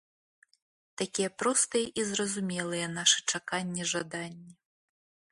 Такія простыя і зразумелыя нашы чаканні-жаданні.